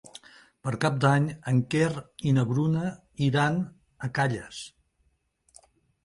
Per Cap d'Any en Quer i na Bruna iran a Calles.